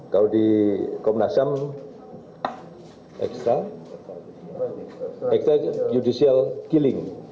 kalau di komnas ham extrajudicial killing